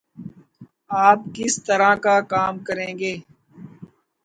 آپ کس طرح کا کام کریں گے؟